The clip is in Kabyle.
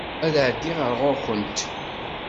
Ad d-ɛeddiɣ ar ɣuṛ-kent.